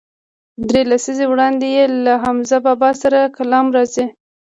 درې لسیزې وړاندې یې له حمزه بابا سره کلام راځي.